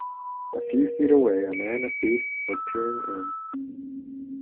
A few feet away a man, a thief, was peering in.